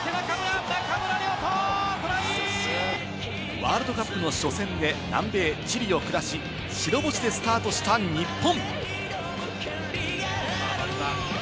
ワールドカップの初戦で南米・チリを下し、白星でスタートした日本！